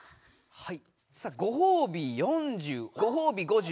はい！